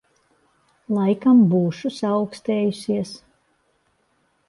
Laikam būšu saaukstējusies.